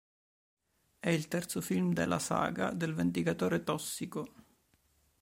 È il terzo film della saga del Vendicatore Tossico.